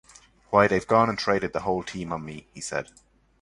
"Why, they've gone and traded the whole team on me", he said.